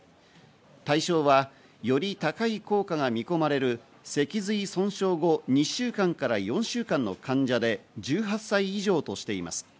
対象は、より高い効果が見込まれる脊髄損傷後、２週間から４週間の患者で１８歳以上としています。